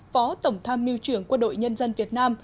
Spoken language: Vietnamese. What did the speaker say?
phó tổng tham mưu trưởng quân đội nhân dân việt nam